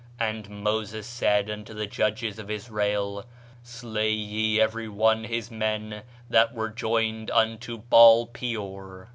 And Moses said unto the judges of Israel, Slay ye every one his men that were joined unto Baal peor."